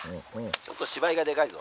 ちょっと芝居がでかいぞ」。